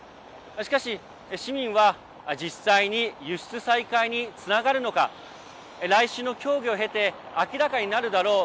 しかし、市民は実際に輸出再開につながるのか来週の協議を経て明らかになるだろう